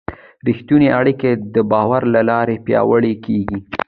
رښتونې اړیکه د باور له لارې پیاوړې کېږي.